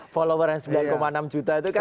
follower yang sembilan enam juta itu kan